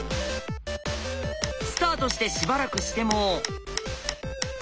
スタートしてしばらくしても。